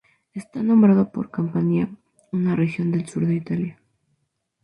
Está nombrado por Campania, una región del sur de Italia.